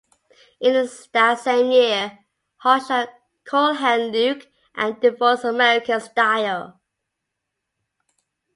In that same year, Hall shot "Cool Hand Luke" and "Divorce American Style".